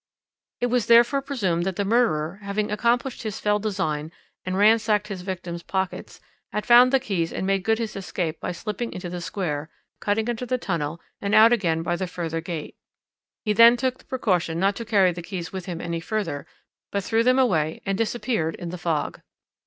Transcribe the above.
"It was therefore presumed that the murderer, having accomplished his fell design and ransacked his victim's pockets, had found the keys and made good his escape by slipping into the Square, cutting under the tunnel, and out again by the further gate. He then took the precaution not to carry the keys with him any further, but threw them away and disappeared in the fog.